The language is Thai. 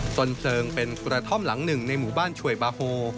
จนเพลิงเป็นกระท่อมหลังหนึ่งในหมู่บ้านช่วยบาโฮ